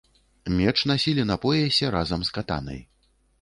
Меч насілі на поясе разам з катанай.